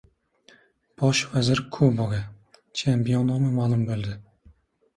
«Bosh vazir kubogi»: Chempion nomi ma’lum bo‘ldi